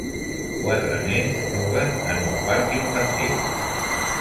Quatre nens juguen en un parc infantil